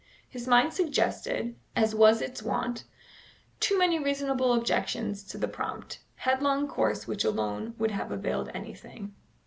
His mind suggested, as was its wont, too many reasonable objections to the prompt, headlong course which alone would have availed anything.